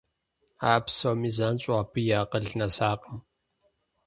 А псоми занщӀэу абы и акъыл нэсакъым.